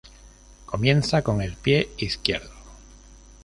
Comienza con el pie izquierdo.